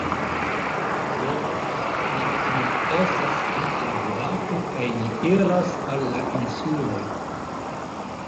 Do, ni nun estas en la boato kaj ni iras al la insuloj